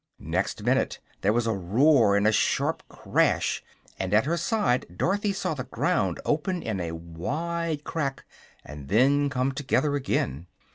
Next minute there was a roar and a sharp crash, and at her side Dorothy saw the ground open in a wide crack and then come together again.